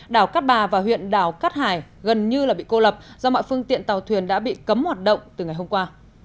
đảo cát bà và huyện đảo cát hải gần như là bị cô lập do mọi phương tiện tàu thuyền đã bị cấm hoạt động từ ngày hôm qua